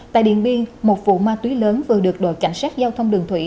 tại điện biên một vụ ma túy lớn vừa được đội cảnh sát giao thông đường thủy